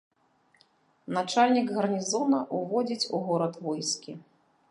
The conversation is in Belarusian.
Начальнік гарнізона ўводзіць у горад войскі.